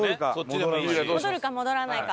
戻るか戻らないか。